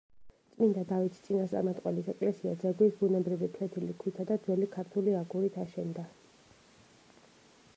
წმინდა დავით წინასწარმეტყველის ეკლესია ძეგვის ბუნებრივი ფლეთილი ქვით და ძველი ქართული აგურით აშენდა.